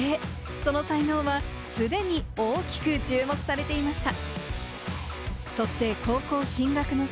その才能は既に大きく注目されていました。